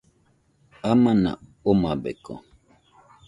Amana omabeko.